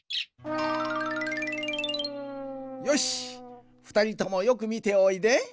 よしふたりともよくみておいで。